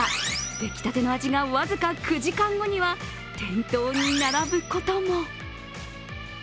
出来たての味が、僅か９時間後には店頭に並ぶことも。